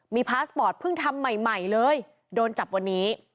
มีพาสปอร์ตเพิ่งทำใหม่เลยโดนจับวันนี้